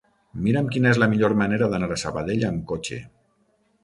Mira'm quina és la millor manera d'anar a Sabadell amb cotxe.